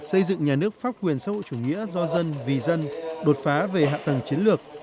xây dựng nhà nước pháp quyền xã hội chủ nghĩa do dân vì dân đột phá về hạ tầng chiến lược